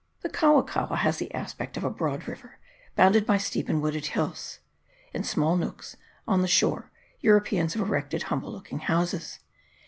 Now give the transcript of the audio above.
The Kaua kaua has the aspect of a broad river, bounded by steep and wooded hills. In small nooks on the shore Europeans have erected humble look ing houses.